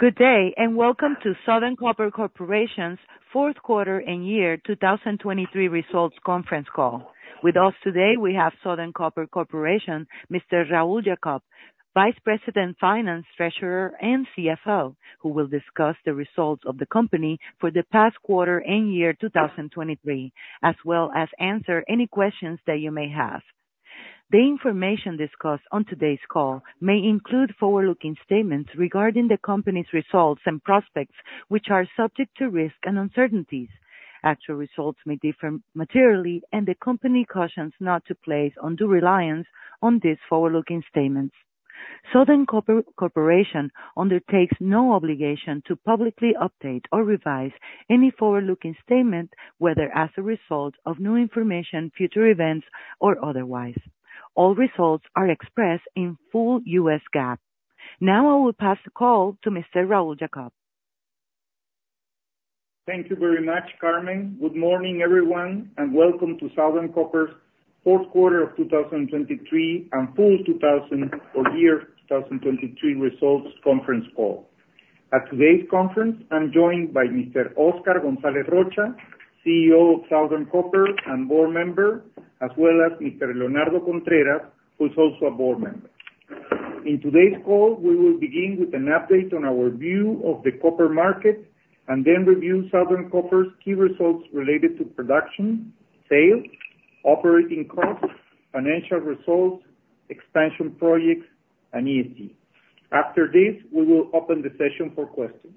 Good day, and welcome to Southern Copper Corporation's fourth quarter and year 2023 results conference call. With us today, we have Southern Copper Corporation, Mr. Raúl Jacob, Vice President, Finance, Treasurer, and CFO, who will discuss the results of the company for the past quarter and year 2023, as well as answer any questions that you may have. The information discussed on today's call may include forward-looking statements regarding the company's results and prospects, which are subject to risk and uncertainties. Actual results may differ materially, and the company cautions not to place undue reliance on these forward-looking statements. Southern Copper Corporation undertakes no obligation to publicly update or revise any forward-looking statement, whether as a result of new information, future events, or otherwise. All results are expressed in full U.S. GAAP. Now I will pass the call to Mr. Raúl Jacob. Thank you very much, Carmen. Good morning, everyone, and welcome to Southern Copper's fourth quarter of 2023 and full 2023 or year 2023 results conference call. At today's conference, I'm joined by Mr. Oscar González Rocha, CEO of Southern Copper and board member, as well as Mr. Leonardo Contreras, who is also a board member. In today's call, we will begin with an update on our view of the copper market and then review Southern Copper's key results related to production, sales, operating costs, financial results, expansion projects, and ESG. After this, we will open the session for questions.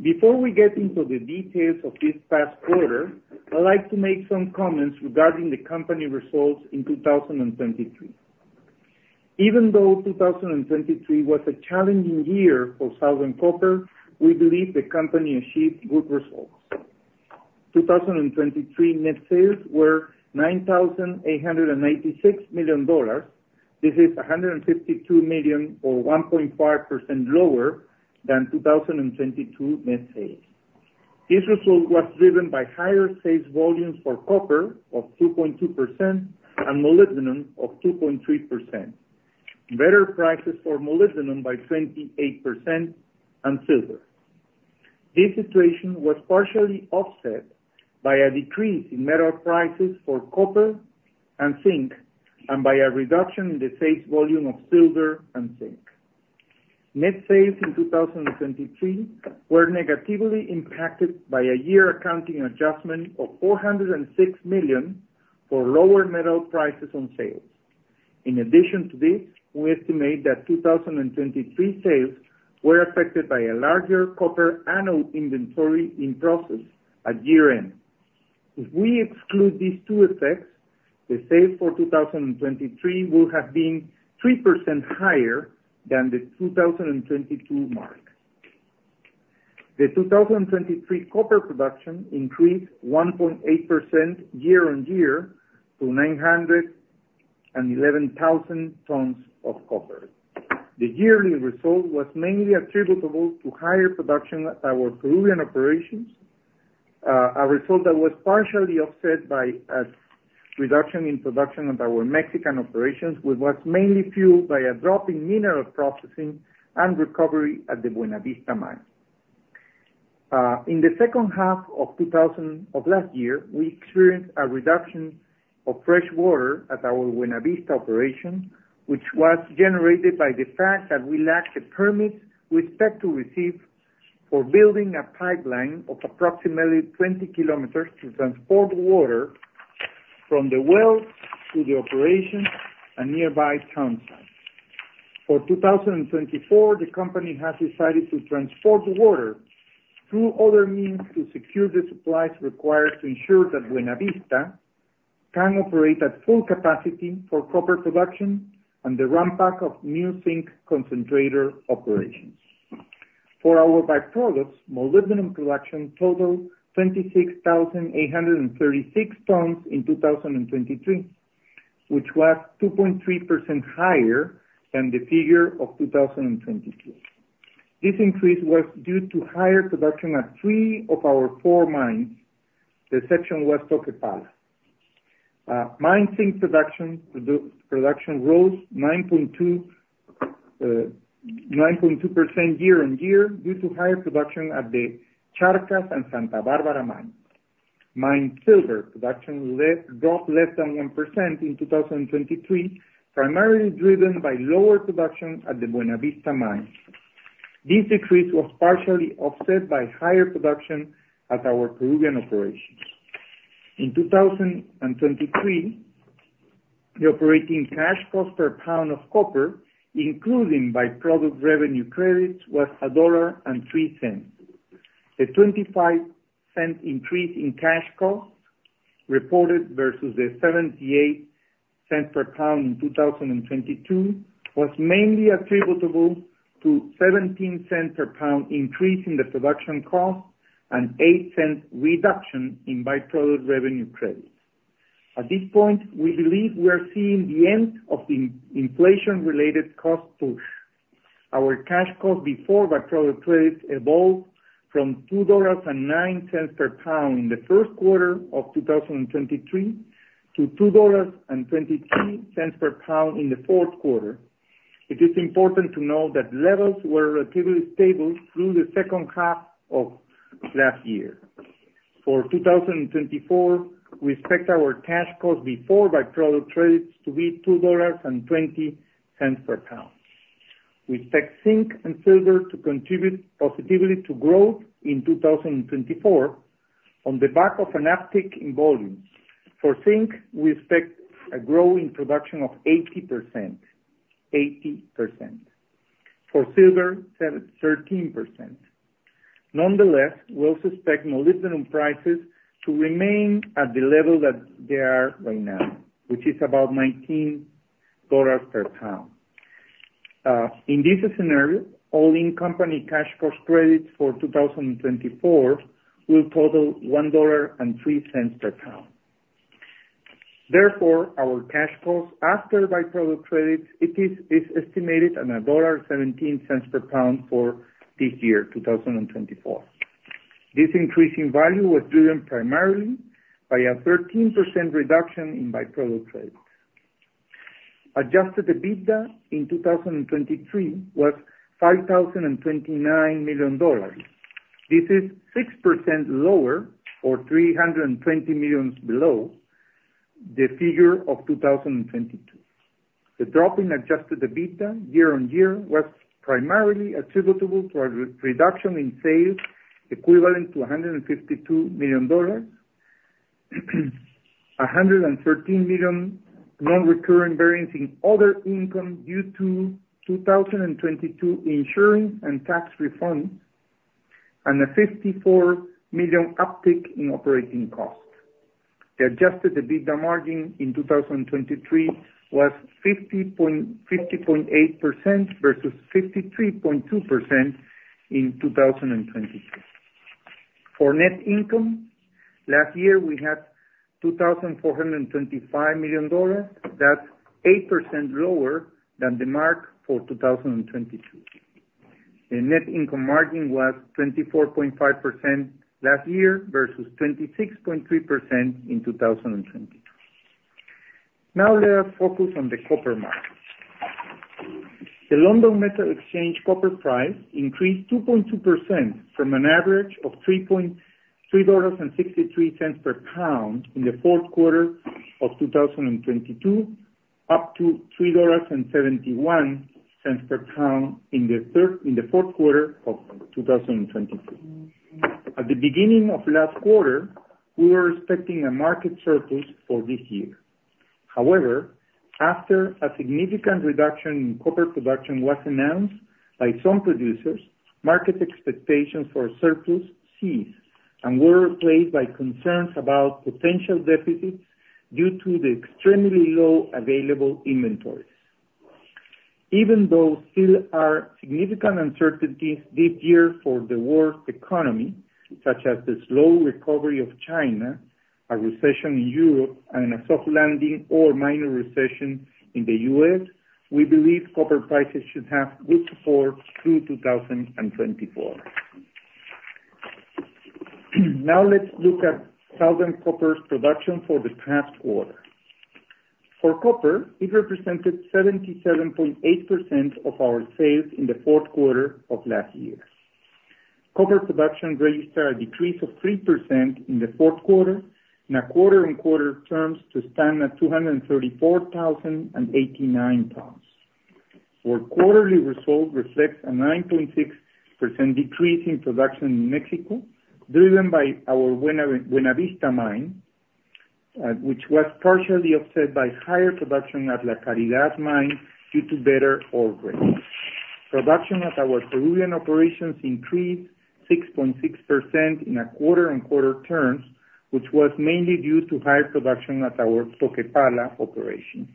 Before we get into the details of this past quarter, I'd like to make some comments regarding the company results in 2023. Even though 2023 was a challenging year for Southern Copper, we believe the company achieved good results. 2023 net sales were $9,886 million. This is $152 million or 1.5% lower than 2022 net sales. This result was driven by higher sales volumes for copper of 2.2% and molybdenum of 2.3%. Better prices for molybdenum by 28% and silver. This situation was partially offset by a decrease in metal prices for copper and zinc, and by a reduction in the sales volume of silver and zinc. Net sales in 2023 were negatively impacted by a year-end accounting adjustment of $406 million for lower metal prices on sales. In addition to this, we estimate that 2023 sales were affected by a larger copper anode inventory in process at year-end. If we exclude these two effects, the sales for 2023 would have been 3% higher than the 2022 mark. The 2023 copper production increased 1.8% year-over-year to 911,000 tons of copper. The yearly result was mainly attributable to higher production at our Peruvian operations, a result that was partially offset by a reduction in production at our Mexican operations, which was mainly fueled by a drop in mineral processing and recovery at the Buenavista mine. In the second half of 2023, we experienced a reduction of fresh water at our Buenavista operation, which was generated by the fact that we lacked the permits we expect to receive for building a pipeline of approximately 20 kilometers to transport water from the wells to the operation and nearby townsites. For 2024, the company has decided to transport water through other means to secure the supplies required to ensure that Buenavista can operate at full capacity for proper production and the ramp-up of new zinc concentrator operations. For our byproducts, molybdenum production totaled 26,836 tons in 2023, which was 2.3% higher than the figure of 2022. This increase was due to higher production at three of our four mines. The exception was Toquepala. Mined zinc production rose 9.2% year-on-year, due to higher production at the Charcas and Santa Barbara mines. Mined silver production dropped less than 1% in 2023, primarily driven by lower production at the Buenavista mine. This decrease was partially offset by higher production at our Peruvian operations. In 2023, the operating cash cost per pound of copper, including by-product revenue credits, was $1.03. The 25-cent increase in cash costs reported versus the 78 cents per pound in 2022, was mainly attributable to 0.17 per pound increase in the production cost and 8 cents reduction in by-product revenue credit. At this point, we believe we are seeing the end of the inflation-related cost push. Our cash cost before by-product credits evolved from $2.09 per pound in the first quarter of 2023, to $2.22 per pound in the fourth quarter... It is important to note that levels were relatively stable through the second half of last year. For 2024, we expect our cash cost before by-product credits to be $2.20 per pound. We expect zinc and silver to contribute positively to growth in 2024, on the back of an uptick in volume. For zinc, we expect a growth in production of 80%, 80%. For silver, 13%. Nonetheless, we also expect molybdenum prices to remain at the level that they are right now, which is about $19 per pound. In this scenario, all-in company cash cost credits for 2024 will total $1.03 per pound. Therefore, our cash costs after the by-product credits, it is estimated at $1.17 per pound for this year, 2024. This increase in value was driven primarily by a 13% reduction in by-product credits. Adjusted EBITDA in 2023 was $5,029 million. This is 6% lower, or $320 million below, the figure of 2022. The drop in adjusted EBITDA year-on-year was primarily attributable to a reduction in sales equivalent to $152 million, a $113 million non-recurring variance in other income due to 2022 insurance and tax refunds, and a $54 million uptick in operating costs. The Adjusted EBITDA margin in 2023 was 50.8% versus 53.2% in 2022. For net income, last year, we had $2,425 million. That's 8% lower than the mark for 2022. The net income margin was 24.5% last year, versus 26.3% in 2022. Now, let us focus on the copper market. The London Metal Exchange copper price increased 2.2% from an average of $3.63 per pound in the fourth quarter of 2022, up to $3.71 per pound in the fourth quarter of 2023. At the beginning of last quarter, we were expecting a market surplus for this year. However, after a significant reduction in copper production was announced by some producers, market expectations for surplus ceased and were replaced by concerns about potential deficits due to the extremely low available inventories. Even though still are significant uncertainties this year for the world's economy, such as the slow recovery of China, a recession in Europe, and a soft landing or minor recession in the U.S., we believe copper prices should have good support through 2024. Now let's look at Southern Copper's production for the past quarter. For copper, it represented 77.8% of our sales in the fourth quarter of last year. Copper production registered a decrease of 3% in the fourth quarter, in a quarter-on-quarter terms, to stand at 234,089 pounds. Our quarterly result reflects a 9.6% decrease in production in Mexico, driven by our Buenavista mine, which was partially offset by higher production at La Caridad mine due to better ore grades. Production at our Peruvian operations increased 6.6% in quarter-on-quarter terms, which was mainly due to higher production at our Toquepala operation.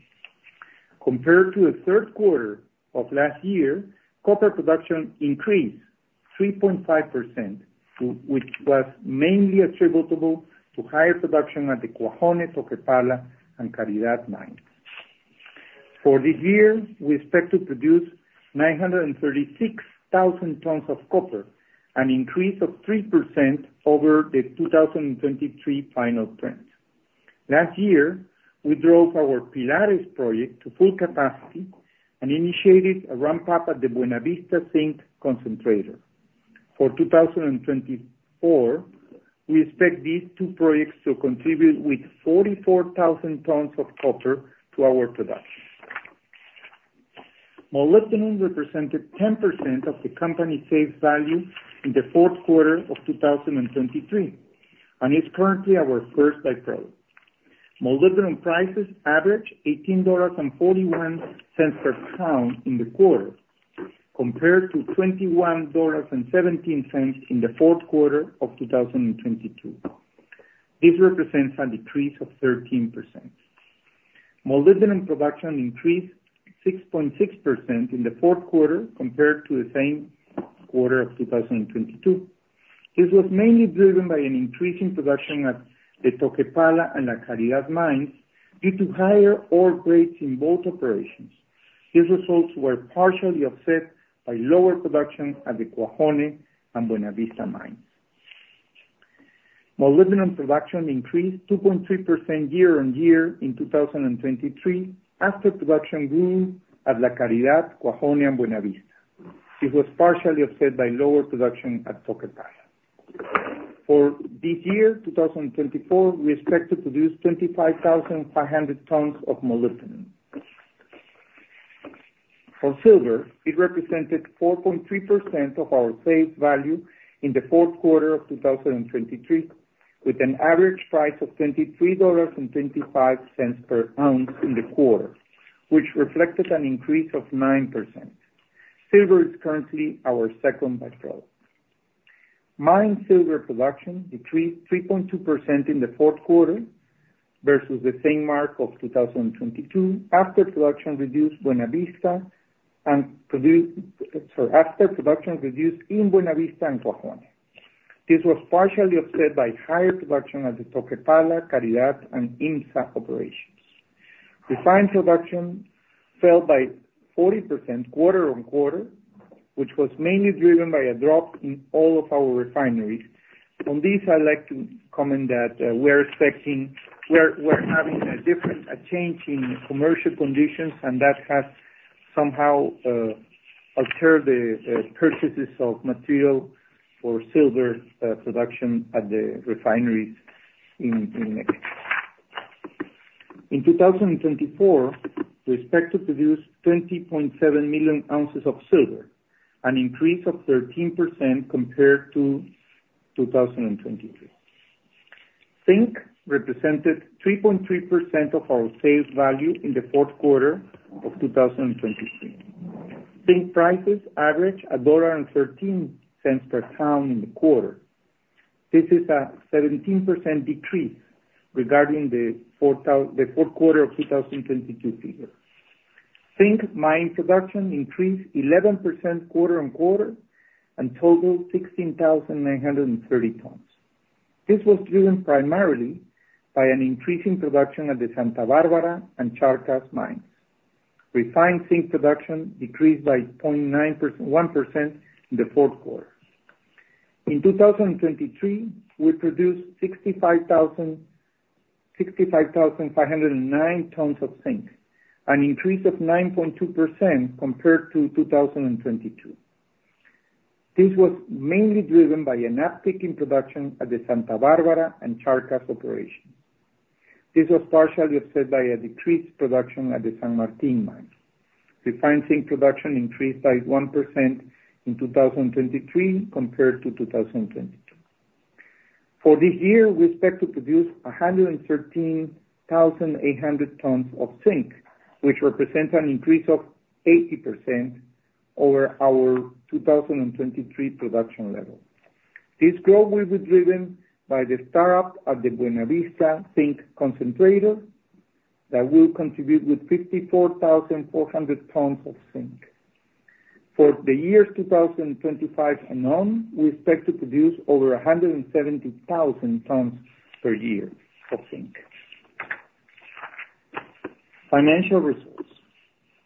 Compared to the third quarter of last year, copper production increased 3.5%, which was mainly attributable to higher production at the Cuajone, Toquepala, and Caridad mines. For this year, we expect to produce 936,000 tons of copper, an increase of 3% over the 2023 final trends. Last year, we drove our Pilares project to full capacity and initiated a ramp up at the Buenavista Zinc Concentrator. For 2024, we expect these two projects to contribute with 44,000 tons of copper to our production. Molybdenum represented 10% of the company's sales value in the fourth quarter of 2023, and is currently our first by-product. Molybdenum prices averaged $18.41 per pound in the quarter, compared to $21.17 in the fourth quarter of 2022. This represents a decrease of 13%. Molybdenum production increased 6.6% in the fourth quarter, compared to the same quarter of 2022. This was mainly driven by an increase in production at the Toquepala and La Caridad mines due to higher ore grades in both operations. These results were partially offset by lower production at the Cuajone and Buenavista mine.... Molybdenum production increased 2.3% year-on-year in 2023, after production grew at La Caridad, Cuajone, and Buenavista. It was partially offset by lower production at Toquepala. For this year, 2024, we expect to produce 25,500 tons of molybdenum. For silver, it represented 4.3% of our sales value in the fourth quarter of 2023, with an average price of $23.25 per ounce in the quarter, which reflected an increase of 9%. Silver is currently our second by-product. Mine silver production decreased 3.2% in the fourth quarter versus the same mark of 2022, after production reduced in Buenavista and Cuajone. This was partially offset by higher production at the Toquepala, La Caridad, and IMMSA operations. Refined production fell by 40% quarter-on-quarter, which was mainly driven by a drop in all of our refineries. On this, I'd like to comment that, we're expecting. We're having a different, a change in commercial conditions, and that has somehow altered the purchases of material for silver production at the refineries in Mexico. In 2024, we expect to produce 20.7 million ounces of silver, an increase of 13% compared to 2023. Zinc represented 3.3% of our sales value in the fourth quarter of 2023. Zinc prices averaged $1.13 per ton in the quarter. This is a 17% decrease regarding the fourth quarter of 2022 figure. Zinc mine production increased 11% quarter-on-quarter and totaled 16,930 tons. This was driven primarily by an increase in production at the Santa Barbara and Charcas mines. Refined zinc production decreased by 0.9%, 1% in the fourth quarter. In 2023, we produced 65,509 tons of zinc, an increase of 9.2% compared to 2022. This was mainly driven by an uptick in production at the Santa Barbara and Charcas operations. This was partially offset by a decreased production at the San Martín mine. Refined zinc production increased by 1% in 2023 compared to 2022. For this year, we expect to produce 113,800 tons of zinc, which represents an increase of 80% over our 2023 production level. This growth will be driven by the start-up of the Buenavista Zinc Concentrator that will contribute with 54,400 tons of zinc. For the years 2025 and on, we expect to produce over 170,000 tons per year of zinc. Financial results.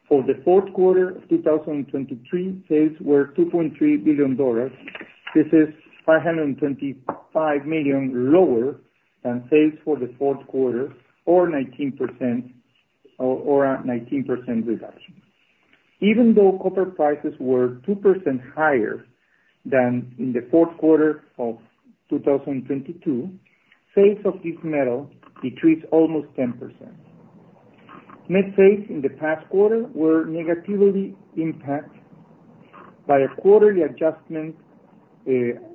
For the fourth quarter of 2023, sales were $2.3 billion. This is $525 million lower than sales for the fourth quarter, or 19%, or a 19% reduction. Even though copper prices were 2% higher than in the fourth quarter of 2022, sales of this metal decreased almost 10%. Net sales in the past quarter were negatively impacted by a quarterly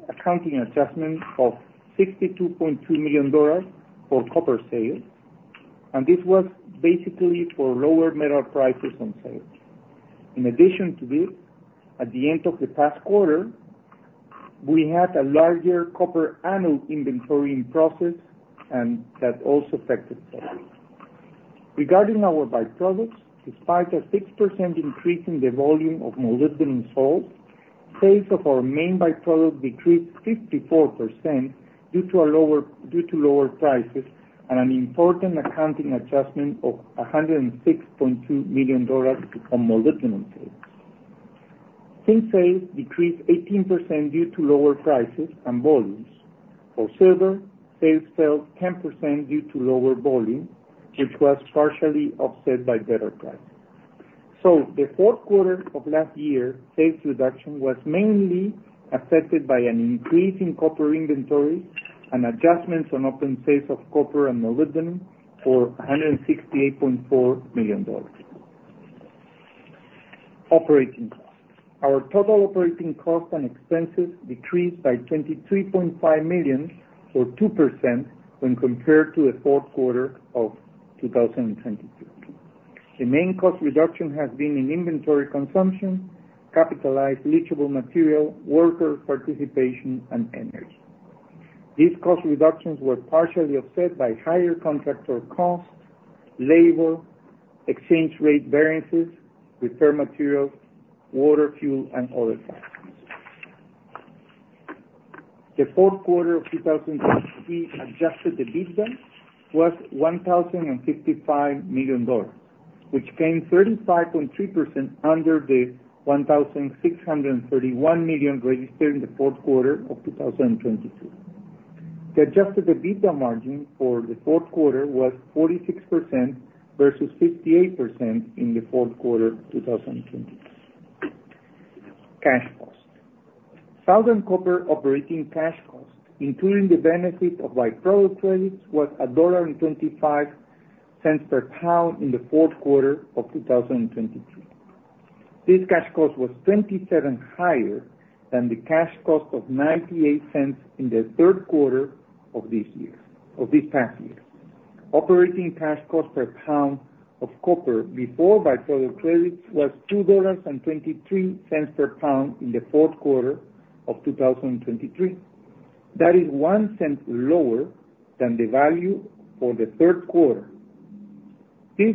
accounting adjustment of $62.2 million for copper sales, and this was basically for lower metal prices on sales. In addition to this, at the end of the past quarter, we had a larger copper anode inventory in process, and that also affected sales. Regarding our by-products, despite a 6% increase in the volume of molybdenum sold, sales of our main by-product decreased 54% due to lower prices and an important accounting adjustment of $106.2 million on molybdenum sales. Zinc sales decreased 18% due to lower prices and volumes. For silver, sales fell 10% due to lower volume, which was partially offset by better prices. So the fourth quarter of last year, sales reduction was mainly affected by an increase in copper inventory and adjustments on open sales of copper and molybdenum for $168.4 million. Operating costs. Our total operating costs and expenses decreased by $23.5 million, or 2%, when compared to the fourth quarter of 2022. The main cost reduction has been in inventory consumption, capitalized leachable material, worker participation, and energy. These cost reductions were partially offset by higher contractor costs, labor, exchange rate variances, repair materials, water, fuel, and other costs. The fourth quarter of 2023 adjusted EBITDA was $1,055 million... which came 35.3% under the $1,631 million registered in the fourth quarter of 2022. The adjusted EBITDA margin for the fourth quarter was 46% versus 58% in the fourth quarter 2022. Cash cost. Southern Copper operating cash cost, including the benefit of by-product credits, was $1.25 per pound in the fourth quarter of 2022. This cash cost was 27 cents higher than the cash cost of $0.98 in the third quarter of this year, of this past year. Operating cash cost per pound of copper before by-product credits was $2.23 per pound in the fourth quarter of 2023. That is 1 cent lower than the value for the third quarter. This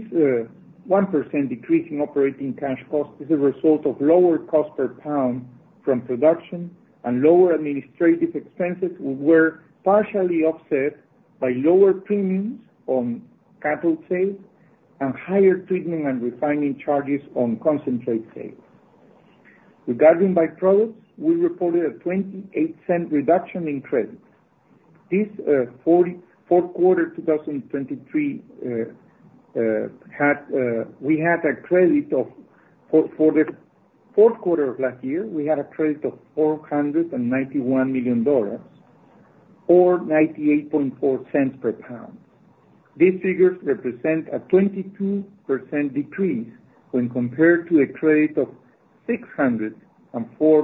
1% decrease in operating cash cost is a result of lower cost per pound from production and lower administrative expenses, were partially offset by lower premiums on cathode sales and higher treatment and refining charges on concentrate sales. Regarding by-products, we reported a 28-cent reduction in credits. This fourth quarter 2023 had we had a credit of for, for the fourth quarter of last year, we had a credit of $491 million or $0.984 per pound. These figures represent a 22% decrease when compared to a credit of $604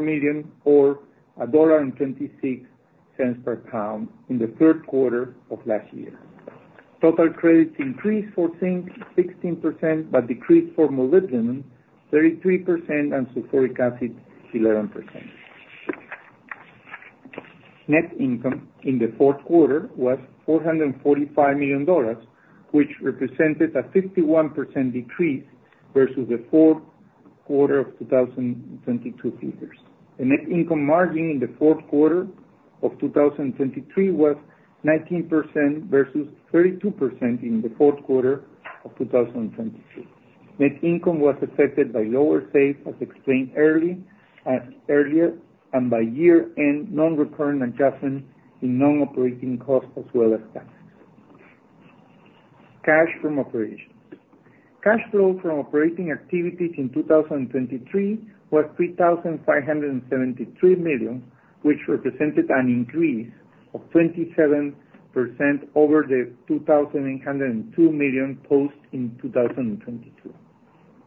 million, or $1.26 per pound, in the third quarter of last year. Total credits increased for zinc 16%, but decreased for molybdenum 33% and sulfuric acid, 11%. Net income in the fourth quarter was $445 million, which represented a 51% decrease versus the fourth quarter of 2022 figures. The net income margin in the fourth quarter of 2023 was 19% versus 32% in the fourth quarter of 2022. Net income was affected by lower sales, as explained early, earlier, and by year-end non-recurring adjustments in non-operating costs, as well as taxes. Cash from operations. Cash flow from operating activities in 2023 was $3,573 million, which represented an increase of 27% over the $2,102 million posted in 2022.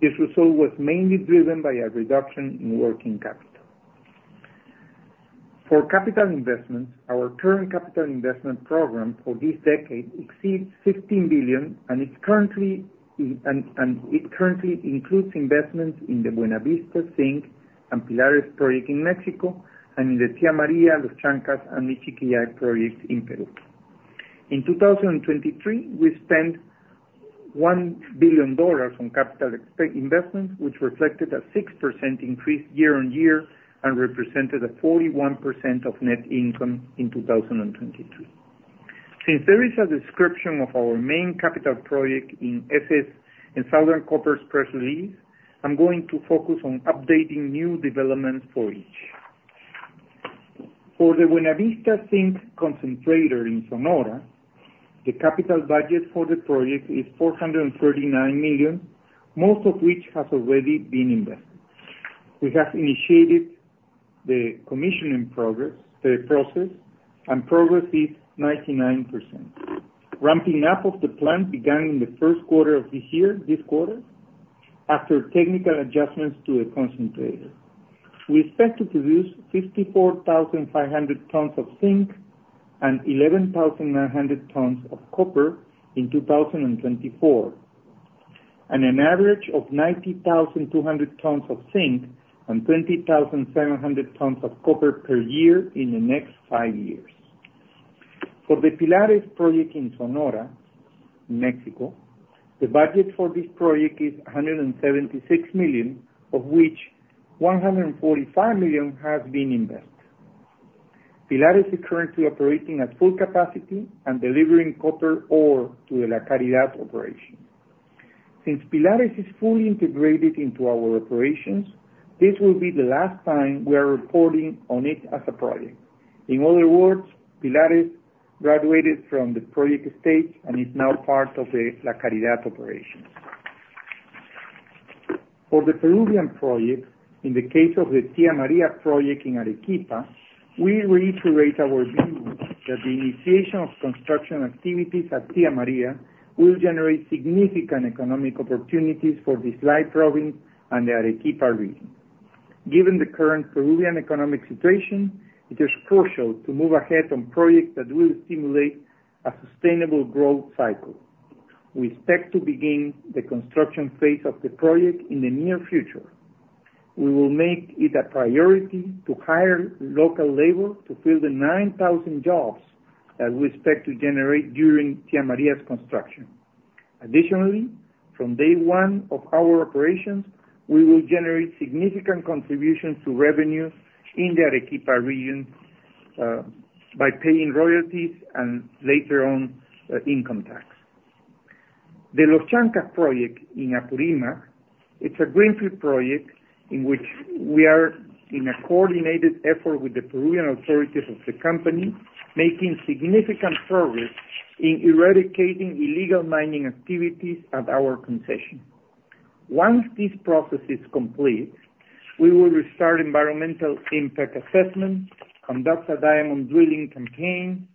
This result was mainly driven by a reduction in working capital. For capital investments, our current capital investment program for this decade exceeds $15 billion, and it's currently, and it currently includes investments in the Buenavista Zinc and Pilares project in Mexico and in the Tía María, Los Chancas and Michiquillay projects in Peru. In 2023, we spent $1 billion on capital investments, which reflected a 6% increase year-over-year and represented a 41% of net income in 2022. Since there is a description of our main capital project in SCCO in Southern Copper's press release, I'm going to focus on updating new developments for each. For the Buenavista Zinc concentrator in Sonora, the capital budget for the project is $439 million, most of which has already been invested. We have initiated the commissioning progress, process, and progress is 99%. Ramping up of the plant began in the first quarter of this year, this quarter, after technical adjustments to the concentrator. We expect to produce 54,500 tons of zinc and 11,900 tons of copper in 2024, and an average of 90,200 tons of zinc and 20,700 tons of copper per year in the next five years. For the Pilares project in Sonora, Mexico, the budget for this project is $176 million, of which $145 million has been invested. Pilares is currently operating at full capacity and delivering copper ore to the La Caridad operation. Since Pilares is fully integrated into our operations, this will be the last time we are reporting on it as a project. In other words, Pilares graduated from the project stage and is now part of the La Caridad operations. For the Peruvian project, in the case of the Tía María project in Arequipa, we reiterate our view that the initiation of construction activities at Tía María will generate significant economic opportunities for the Islay province and the Arequipa region. Given the current Peruvian economic situation, it is crucial to move ahead on projects that will stimulate a sustainable growth cycle. We expect to begin the construction phase of the project in the near future. We will make it a priority to hire local labor to fill the 9,000 jobs that we expect to generate during Tía María's construction. Additionally, from day one of our operations, we will generate significant contributions to revenues in the Arequipa region, by paying royalties and later on, income tax. The Los Chancas project in Apurímac, it's a greenfield project in which we are in a coordinated effort with the Peruvian authorities of the company, making significant progress in eradicating illegal mining activities at our concession. Once this process is complete, we will restart environmental impact assessment, conduct a diamond drilling campaign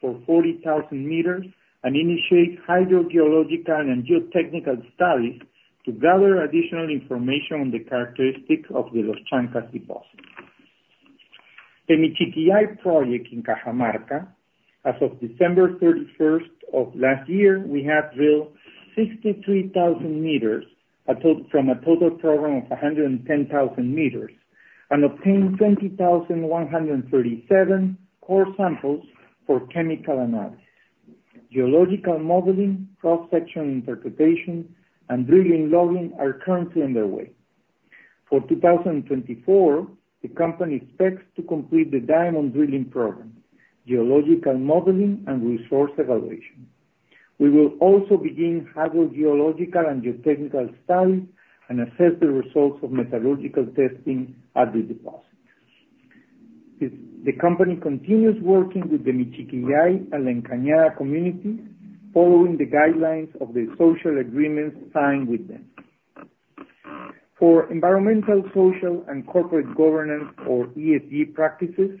for 40,000 meters, and initiate hydrogeological and geotechnical studies to gather additional information on the characteristics of the Los Chancas deposit. The Michiquillay project in Cajamarca, as of December 31st of last year, we have drilled 63,000 meters from a total program of 110,000 meters, and obtained 20,137 core samples for chemical analysis. Geological modeling, cross-section interpretation, and drilling logging are currently underway. For 2024, the company expects to complete the diamond drilling program, geological modeling and resource evaluation. We will also begin hydrogeological and geotechnical studies and assess the results of metallurgical testing at the deposit. The company continues working with the Michiquillay and La Encañada community, following the guidelines of the social agreements signed with them. For environmental, social, and corporate governance, or ESG practices,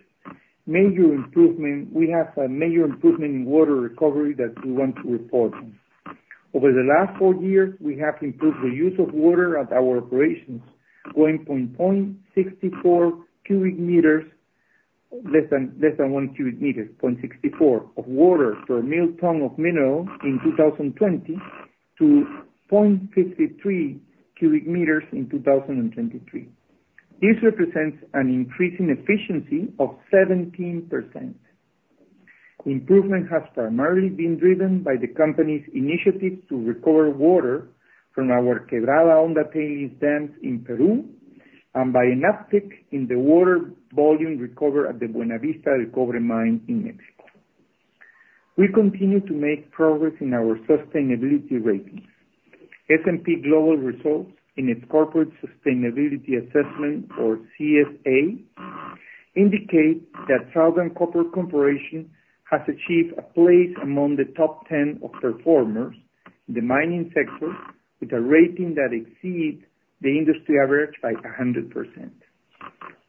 major improvement. We have a major improvement in water recovery that we want to report on. Over the last four years, we have improved the use of water at our operations, going from 0.64 cubic meters, less than one cubic meter, 0.64 of water per metric ton of mineral in 2020, to 0.53 cubic meters in 2023. This represents an increase in efficiency of 17%. Improvement has primarily been driven by the company's initiatives to recover water from our Quebrada Honda in Peru, and by an uptick in the water volume recovered at the Buenavista del Cobre mine in Mexico. We continue to make progress in our sustainability ratings. S&P Global results in its Corporate Sustainability Assessment, or CSA, indicate that Southern Copper Corporation has achieved a place among the top 10 performers in the mining sector, with a rating that exceeds the industry average by 100%.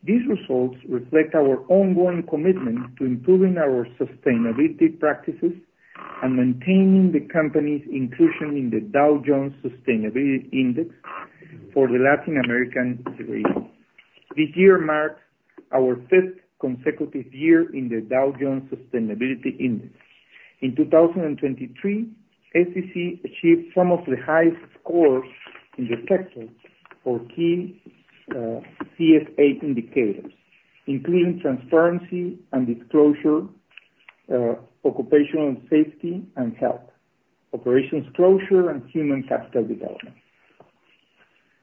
These results reflect our ongoing commitment to improving our sustainability practices and maintaining the company's inclusion in the Dow Jones Sustainability Index for the Latin American region. This year marks our fifth consecutive year in the Dow Jones Sustainability Index. In 2023, SCC achieved some of the highest scores in the sector for key CSA indicators, including transparency and disclosure, occupational safety and health, operations closure, and human capital development.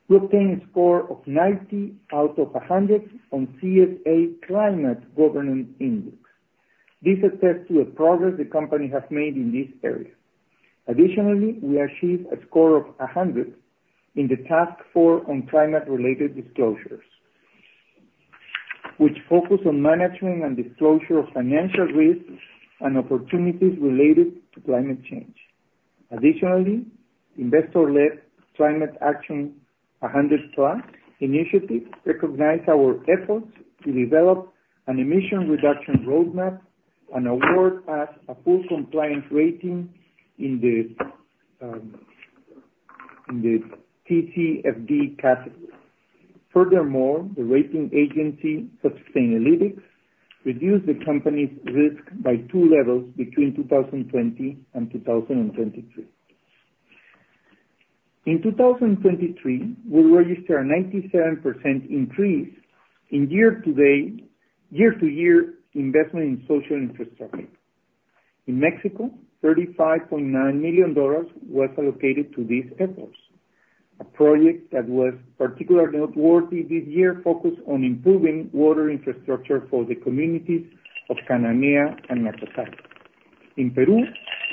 We obtained a score of 90 out of 100 on CSA Climate Governance Index. This attests to a progress the company has made in this area. Additionally, we achieved a score of 100 in the Task Force on Climate-related Disclosures, which focus on management and disclosure of financial risks and opportunities related to climate change. Additionally, investor-led Climate Action 100+ initiative recognized our efforts to develop an emission reduction roadmap and award us a full compliance rating in the TCFD category. Furthermore, the rating agency, Sustainalytics, reduced the company's risk by two levels between 2020 and 2023. In 2023, we registered a 97% increase in year-to-date, year-over-year investment in social infrastructure. In Mexico, $35.9 million was allocated to these efforts. A project that was particularly noteworthy this year focused on improving water infrastructure for the communities of Cananea and Nacozari. In Peru,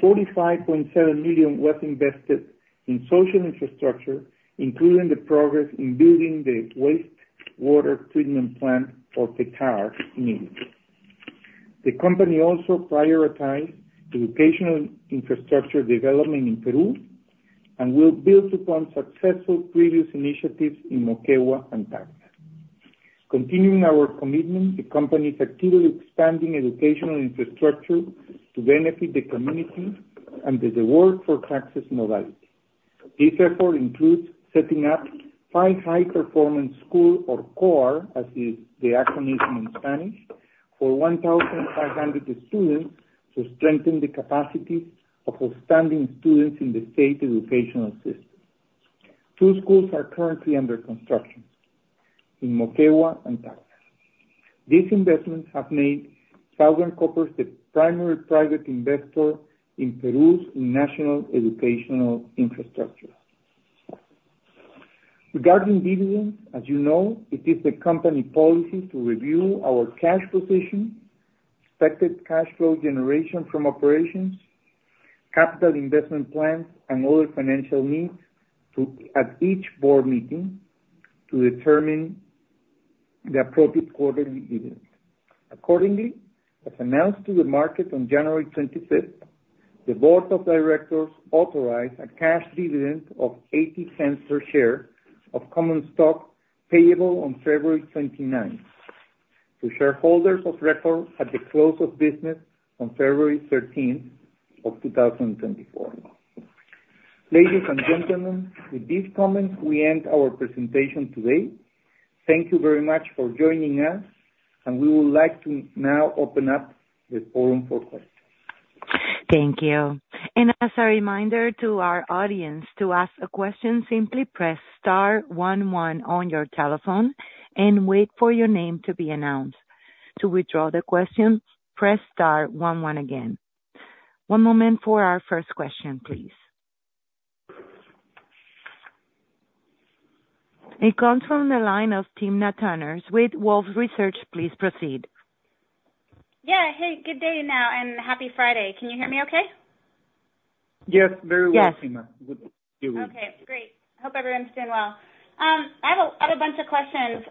$45.7 million was invested in social infrastructure, including the progress in building the wastewater treatment plant for Ilo in Peru. The company also prioritized educational infrastructure development in Peru, and will build upon successful previous initiatives in Moquegua and Tacna. Continuing our commitment, the company is actively expanding educational infrastructure to benefit the community under the Works for Taxes modality. This effort includes setting up five high-performance schools, or COAR, as is the acronym in Spanish, for 1,500 students to strengthen the capacity of outstanding students in the state educational system. Two schools are currently under construction in Moquegua and Tacna. These investments have made Southern Copper the primary private investor in Peru's national educational infrastructure. Regarding dividend, as you know, it is the company policy to review our cash position, expected cash flow generation from operations, capital investment plans, and other financial needs to, at each board meeting, to determine the appropriate quarterly dividends. Accordingly, as announced to the market on January 25th, the board of directors authorized a cash dividend of $0.80 per share of common stock, payable on February 29th, to shareholders of record at the close of business on February 13th of 2024. Ladies and gentlemen, with these comments, we end our presentation today. Thank you very much for joining us, and we would like to now open up the forum for questions. Thank you. As a reminder to our audience, to ask a question, simply press star one one on your telephone and wait for your name to be announced. To withdraw the question, press star one one again. One moment for our first question, please. It comes from the line of Timna Tanners with Wolfe Research. Please proceed. Yeah. Hey, good day, now, and happy Friday. Can you hear me okay? Yes, very well, Timna. Yes. Good. Okay, great. Hope everyone's doing well. I have a bunch of questions.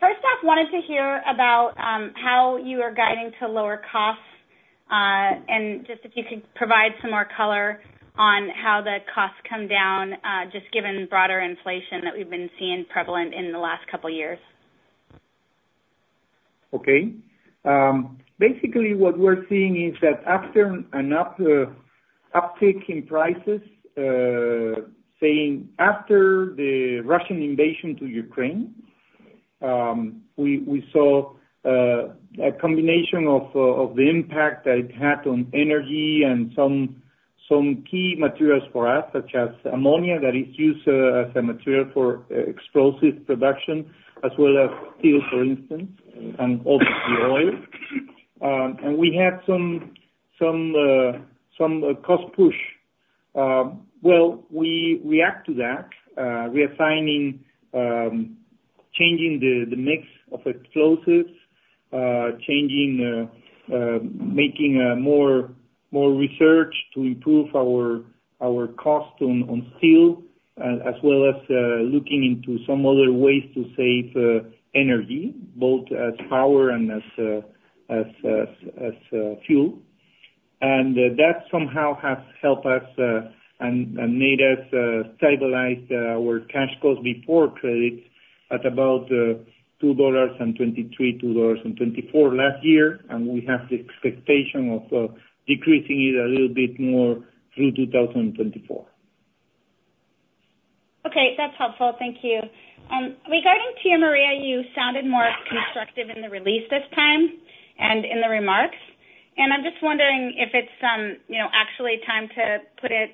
First off, wanted to hear about how you are guiding to lower costs, and just if you could provide some more color on how the costs come down, just given broader inflation that we've been seeing prevalent in the last couple years. Okay. Basically, what we're seeing is that after an uptick in prices, saying after the Russian invasion to Ukraine, we saw a combination of the impact that it had on energy and some key materials for us, such as ammonia, that is used as a material for explosive production, as well as steel, for instance, and obviously oil. And we had some cost push. Well, we react to that reassigning, changing the mix of explosives, changing, making more research to improve our cost on steel, as well as looking into some other ways to save energy, both as power and as fuel. That somehow has helped us, and, and made us, stabilize our cash costs before credits at about $2.23-$2.24 last year, and we have the expectation of decreasing it a little bit more through 2024. Okay, that's helpful. Thank you. Regarding Tía María, you sounded more constructive in the release this time and in the remarks, and I'm just wondering if it's, you know, actually time to put it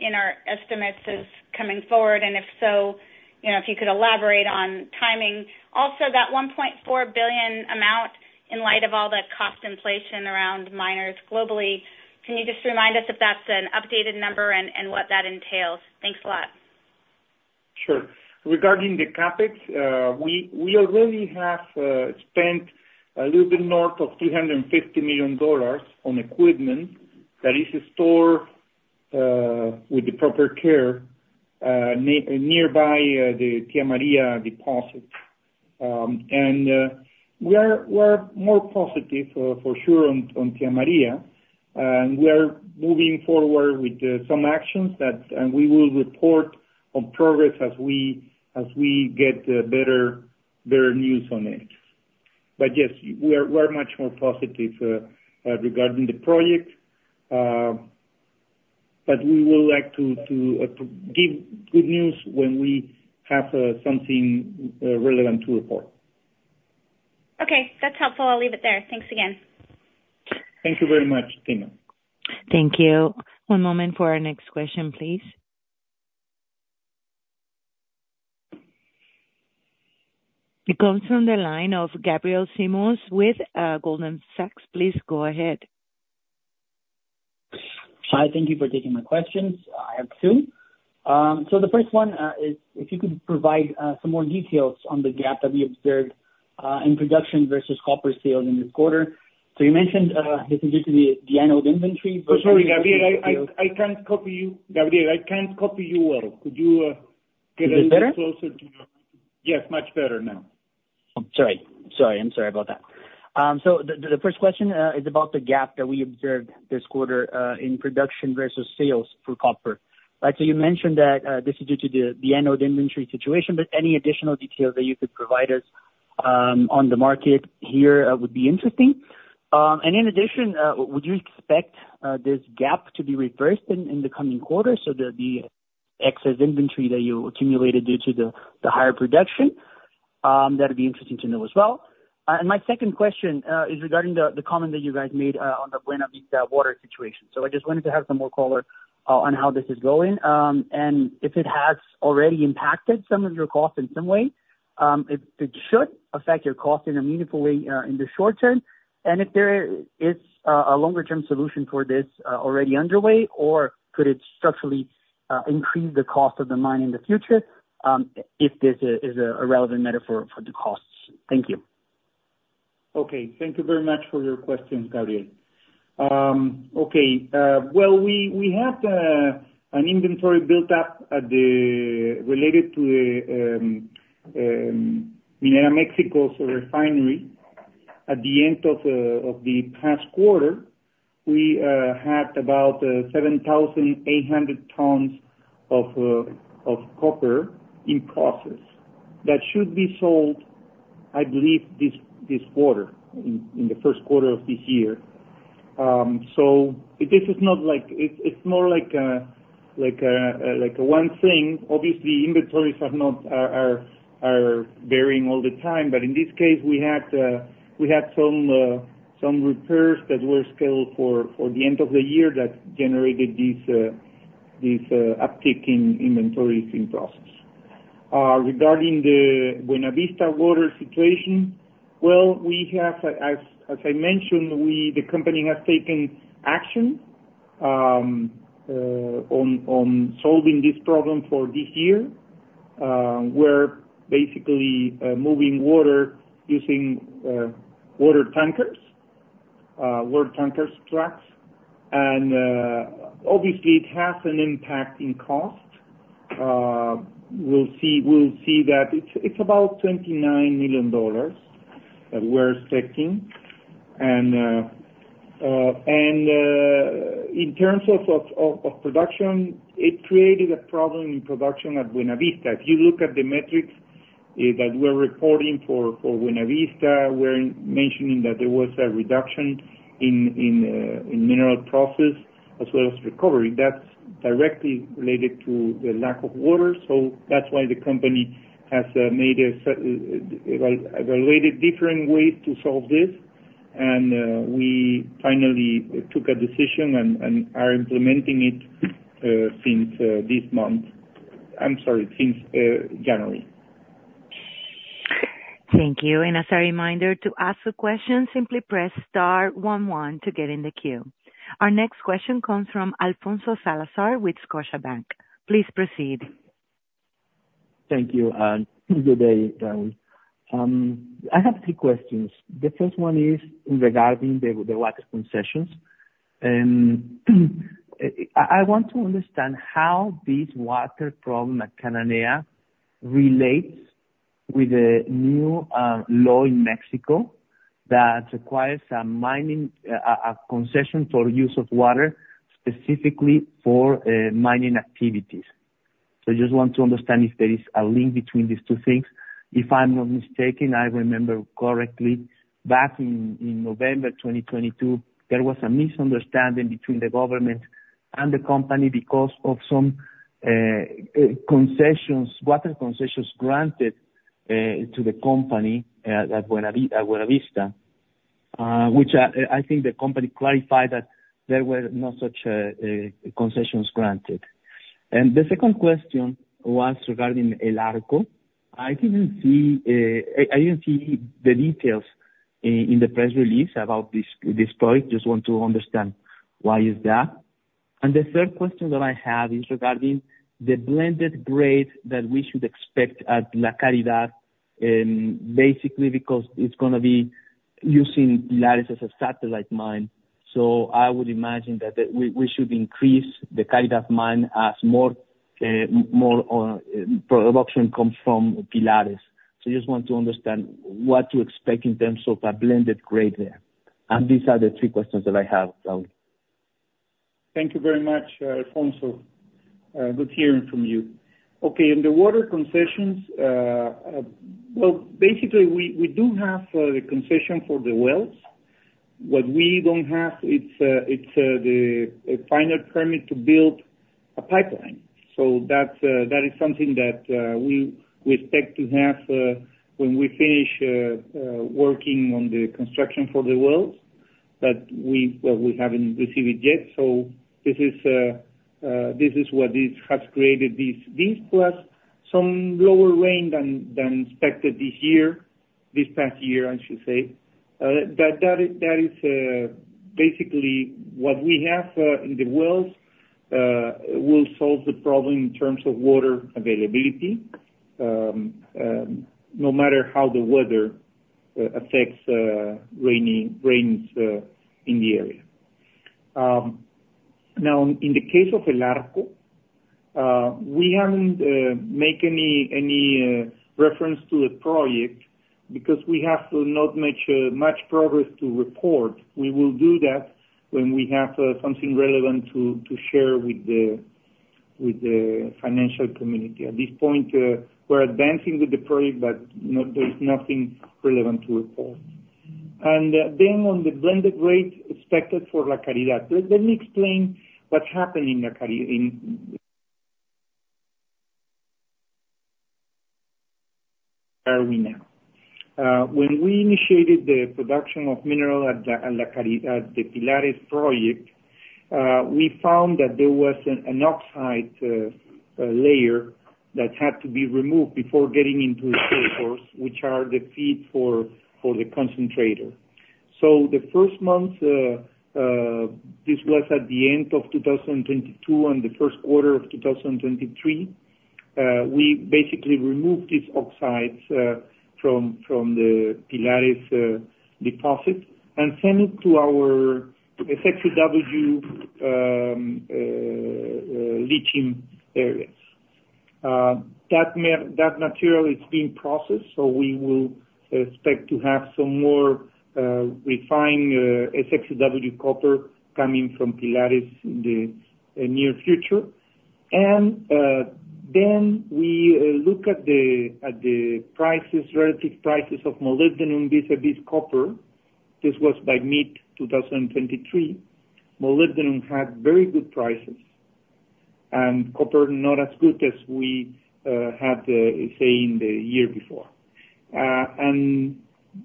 in our estimates as coming forward, and if so, you know, if you could elaborate on timing. Also, that $1.4 billion amount in light of all the cost inflation around miners globally, can you just remind us if that's an updated number and, and what that entails? Thanks a lot. Sure. Regarding the CapEx, we already have spent a little bit north of $350 million on equipment that is stored with the proper care nearby the Tía María deposit. And we are more positive for sure on Tía María, and we are moving forward with some actions that... and we will report on progress as we get better news on it. But yes, we're much more positive regarding the project, but we would like to give good news when we have something relevant to report. Okay. That's helpful. I'll leave it there. Thanks again. Thank you very much, Timna. Thank you. One moment for our next question, please. It comes from the line of Gabriel Simões with Goldman Sachs. Please go ahead. Hi, thank you for taking my questions. I have two. So the first one is if you could provide some more details on the gap that we observed in production versus copper sales in this quarter. So you mentioned this is due to the annual inventory, but- Sorry, Gabriel, I can't copy you. Gabriel, I can't copy you well. Could you get- Is it better? A little bit closer to your... Yes, much better now. Sorry. Sorry, I'm sorry about that. So the first question is about the gap that we observed this quarter in production versus sales for copper. Right, so you mentioned that this is due to the annual inventory situation, but any additional details that you could provide us on the market here would be interesting. And in addition, would you expect this gap to be reversed in the coming quarters, so the excess inventory that you accumulated due to the higher production? That'd be interesting to know as well. And my second question is regarding the comment that you guys made on the Buenavista water situation. So I just wanted to have some more color on how this is going, and if it has already impacted some of your costs in some way, if it should affect your cost in a meaningful way, in the short term, and if there is a longer-term solution for this already underway, or could it structurally increase the cost of the mine in the future, if this is a relevant matter for the costs? Thank you. ... Okay, thank you very much for your question, Gabriel. Okay, well, we had an inventory built up at the related to Minera México's refinery. At the end of the past quarter, we had about 7,800 tons of copper in process that should be sold, I believe, this quarter, in the first quarter of this year. So this is not like—it's more like a like one thing. Obviously, inventories are not varying all the time, but in this case, we had some repairs that were scheduled for the end of the year that generated this uptick in inventory in process. Regarding the Buenavista water situation, well, we have, as, as I mentioned, we, the company has taken action on solving this problem for this year. We're basically moving water using water tankers trucks. And, obviously, it has an impact in cost. We'll see, we'll see that it's, it's about $29 million that we're expecting. And, and, in terms of production, it created a problem in production at Buenavista. If you look at the metrics that we're reporting for Buenavista, we're mentioning that there was a reduction in mineral process as well as recovery. That's directly related to the lack of water, so that's why the company has evaluated different ways to solve this. We finally took a decision and are implementing it since this month. I'm sorry, since January. Thank you. As a reminder, to ask a question, simply press star one one to get in the queue. Our next question comes from Alfonso Salazar with Scotiabank. Please proceed. Thank you, and good day, Raúl. I have three questions. The first one is regarding the water concessions. I want to understand how this water problem at Cananea relates with the new law in Mexico that requires a mining concession for use of water, specifically for mining activities. So I just want to understand if there is a link between these two things. If I'm not mistaken, I remember correctly, back in November 2022, there was a misunderstanding between the government and the company because of some concessions, water concessions granted to the company at Buenavista, which I think the company clarified that there were no such concessions granted. The second question was regarding El Arco. I didn't see the details in the press release about this project. Just want to understand why is that? And the third question that I have is regarding the blended grade that we should expect at La Caridad, basically because it's gonna be using Pilares as a satellite mine. So I would imagine that we should increase the La Caridad mine as more production comes from Pilares. So I just want to understand what to expect in terms of a blended grade there. And these are the three questions that I have, Raúl. Thank you very much, Alfonso. Good hearing from you. Okay, in the water concessions, well, basically, we do have the concession for the wells. What we don't have is a final permit to build a pipeline. So that is something that we expect to have when we finish working on the construction for the wells, but well, we haven't received it yet. So this is what has created this, plus some lower rain than expected this past year, I should say. That is basically what we have in the wells will solve the problem in terms of water availability, no matter how the weather affects rains in the area. Now, in the case of El Arco, we haven't make any reference to the project because we have to not much much progress to report. We will do that when we have something relevant to share with the financial community. At this point, we're advancing with the project, there is nothing relevant to report. And then on the blended rate expected for La Caridad, let me explain what's happening in La Caridad now. When we initiated the production of mineral at the Pilares project, we found that there was an oxide layer that had to be removed before getting into the sulfide, which are the feed for the concentrator. So the first month, this was at the end of 2022, and the first quarter of 2023, we basically removed these oxides from the deposit and sent it to our SX-EW leaching areas. That material is being processed, so we will expect to have some more refined SX-EW copper coming from in the near future. And then we look at the prices, relative prices of molybdenum vis-a-vis copper. This was by mid-2023. Molybdenum had very good prices, and copper not as good as we had, say, in the year before.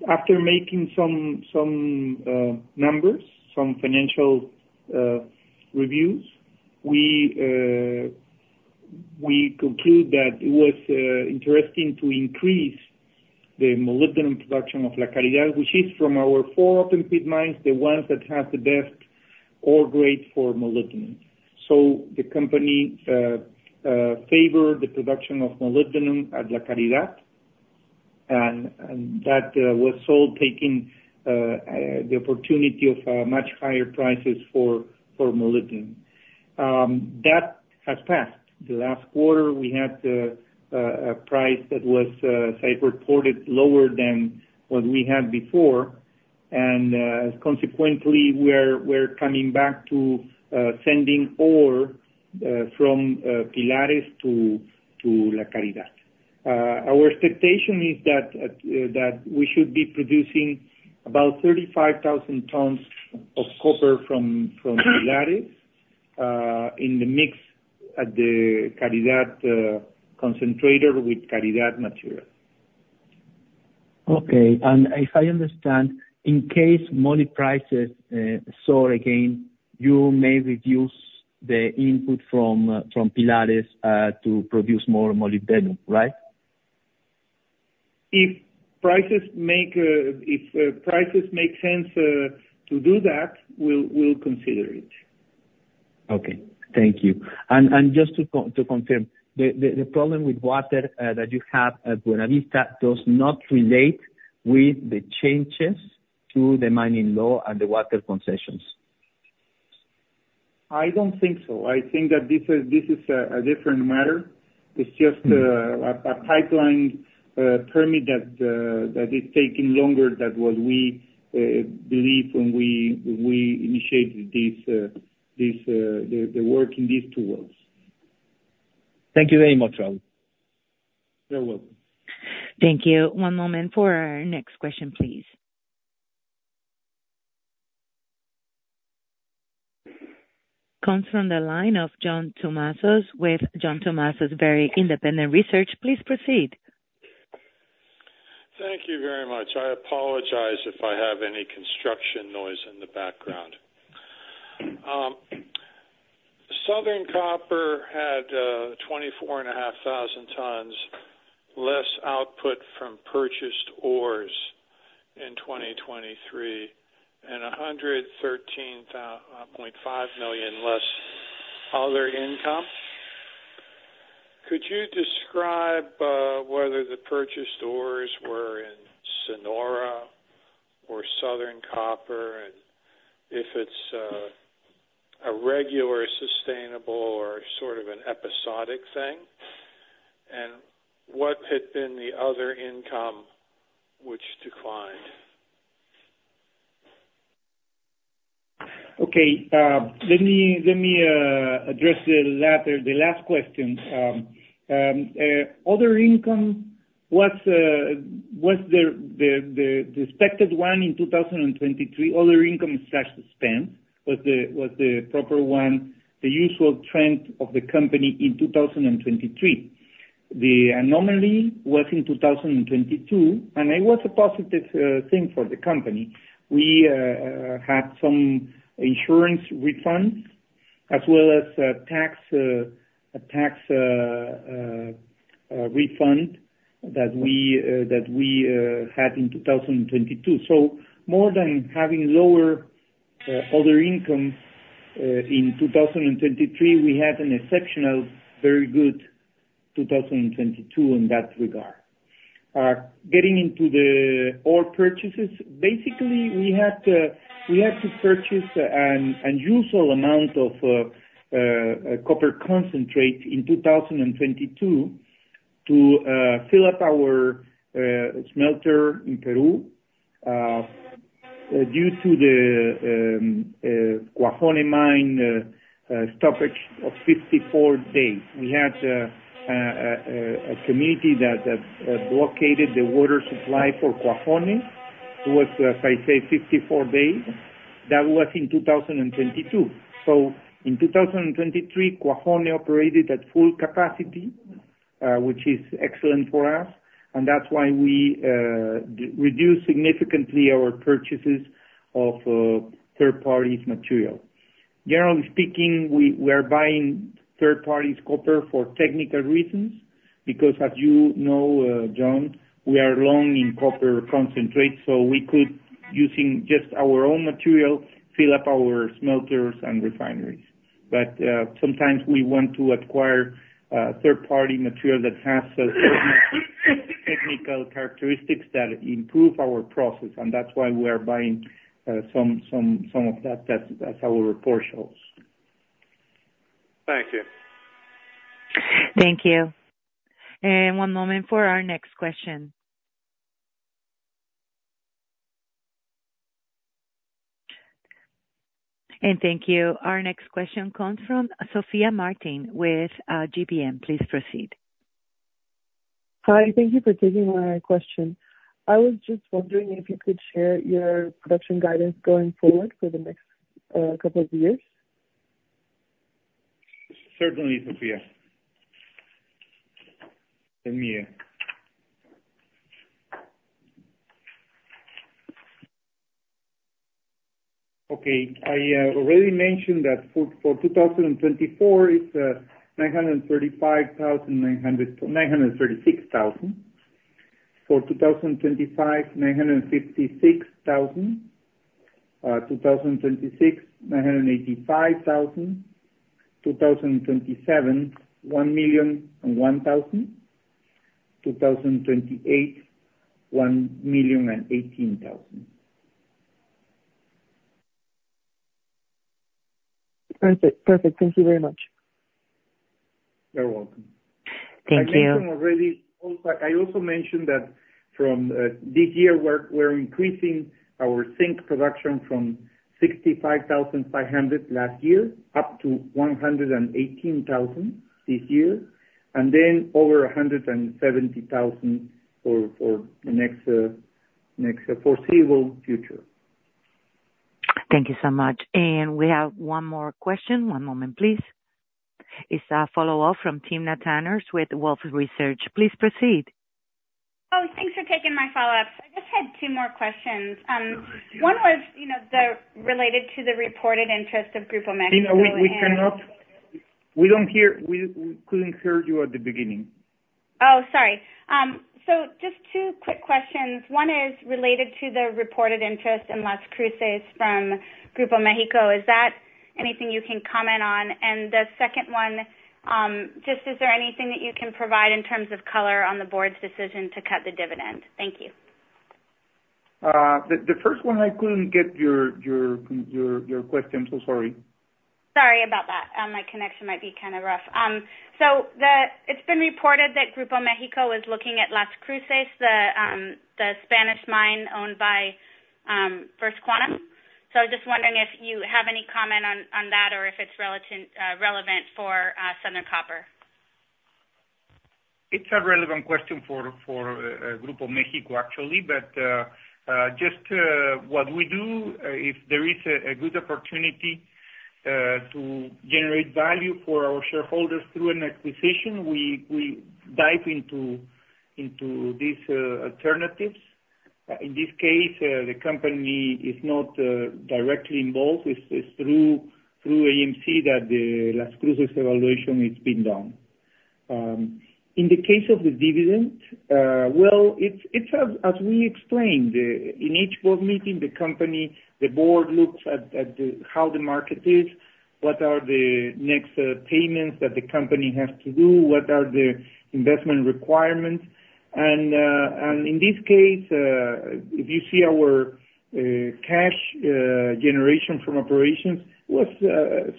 After making some numbers, some financial reviews, we conclude that it was interesting to increase the molybdenum production of La Caridad, which is from our four open pit mines, the ones that have the best ore grade for molybdenum. So the company favored the production of molybdenum at La Caridad, and that was sold, taking the opportunity of much higher prices for molybdenum. That has passed. The last quarter, we had a price that was reported lower than what we had before, and consequently, we're coming back to sending ore from to La Caridad. Our expectation is that we should be producing about 35,000 tons of copper from in the mix at the La Caridad concentrator with La Caridad material. Okay. If I understand, in case moly prices soar again, you may reduce the input from Pilares to produce more molybdenum, right? If prices make sense to do that, we'll consider it. Okay. Thank you. And just to confirm, the problem with water that you have at Buenavista does not relate with the changes to the mining law and the water concessions? I don't think so. I think that this is a different matter. It's just a pipeline permit that is taking longer than what we believed when we initiated this the work in these two worlds. Thank you very much, Raúl. You're welcome. Thank you. One moment for our next question, please. Comes from the line of John Tumazos, with John Tumazos Very Independent Research. Please proceed. Thank you very much. I apologize if I have any construction noise in the background. Southern Copper had 24,500 tons less output from purchased ores in 2023, and $113.5 million less other income. Could you describe whether the purchased ores were in Sonora or Southern Copper, and if it's a regular, sustainable or sort of an episodic thing? What had been the other income which declined? Okay, let me address the latter, the last question. Other income, what's the expected one in 2023? Other income is as expected, was the proper one, the usual trend of the company in 2023. The anomaly was in 2022, and it was a positive thing for the company. We had some insurance refunds, as well as a tax refund that we had in 2022. So more than having lower other income in 2023, we had an exceptional, very good 2022 in that regard. Getting into the ore purchases, basically, we had to purchase an unusual amount of copper concentrate in 2022 to fill up our smelter in Peru due to the Cuajone mine stoppage of 54 days. We had a committee that blockaded the water supply for Cuajone. It was, as I say, 54 days. That was in 2022. So in 2023, Cuajone operated at full capacity, which is excellent for us, and that's why we reduced significantly our purchases of third parties' material. Generally speaking, we are buying third parties' copper for technical reasons because as you know, John, we are long in copper concentrate, so we could, using just our own material, fill up our smelters and refineries. Sometimes we want to acquire third-party material that has the technical characteristics that improve our process, and that's why we are buying some of that. That's how our report shows. Thank you. Thank you. One moment for our next question. Thank you. Our next question comes from Sophia Martin with GBM. Please proceed. Hi, thank you for taking my question. I was just wondering if you could share your production guidance going forward for the next couple of years? Certainly, Sophia. Let me... Okay. I already mentioned that for 2024, it's 935,900-936,000. For 2025, 956,000. 2026, 985,000. 2027, 1,001,000. 2028, 1,018,000. Perfect. Perfect. Thank you very much. You're welcome. Thank you. I mentioned already, also. I also mentioned that from this year, we're increasing our zinc production from 65,500 last year, up to 118,000 this year, and then over 170,000 for the next foreseeable future. Thank you so much. We have one more question. One moment, please. It's a follow-up from Timna Tanners with Wolfe Research. Please proceed. Oh, thanks for taking my follow-up. I just had two more questions. One was, you know, the related to the reported interest of Grupo México- Timna, we couldn't hear you at the beginning. Oh, sorry. So just two quick questions. One is related to the reported interest in Las Cruces from Grupo México. Is that anything you can comment on? And the second one, just, is there anything that you can provide in terms of color on the board's decision to cut the dividend? Thank you. The first one, I couldn't get your question. So sorry. Sorry about that. My connection might be kind of rough. It's been reported that Grupo México is looking at Las Cruces, the Spanish mine owned by First Quantum. So I'm just wondering if you have any comment on that or if it's relevant for Southern Copper? It's a relevant question for Grupo México, actually. But just what we do if there is a good opportunity to generate value for our shareholders through an acquisition, we dive into these alternatives. In this case, the company is not directly involved. It's through AMC that the Las Cruces evaluation it's been done. In the case of the dividend, well, it's as we explained in each board meeting, the company, the board looks at how the market is, what are the next payments that the company has to do, what are the investment requirements? And in this case, if you see our cash generation from operations, was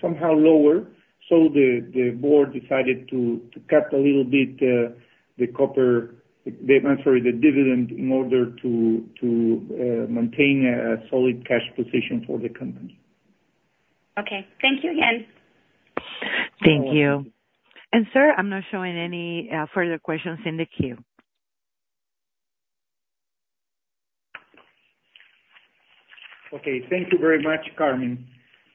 somehow lower. The board decided to cut a little bit, I'm sorry, the dividend, in order to maintain a solid cash position for the company. Okay. Thank you again. Thank you. You're welcome. Sir, I'm not showing any further questions in the queue. Okay, thank you very much, Carmen.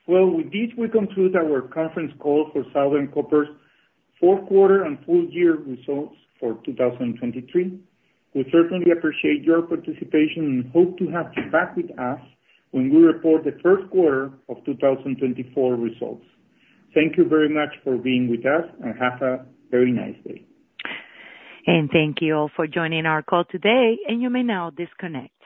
Well, with this we conclude our conference call for Southern Copper's fourth quarter and full-year results for 2023. We certainly appreciate your participation and hope to have you back with us when we report the first quarter of 2024 results. Thank you very much for being with us, and have a very nice day. Thank you all for joining our call today, and you may now disconnect.